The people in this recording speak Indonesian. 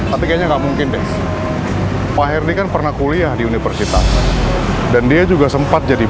tapi kayaknya nggak mungkin deh pak herni kan pernah kuliah di universitas dan dia juga sempat jadi